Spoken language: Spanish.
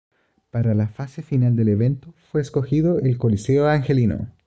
Para la fase final del evento fue escogido el Coliseo angelino.